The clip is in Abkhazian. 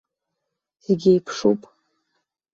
Зегьы еиԥшуп.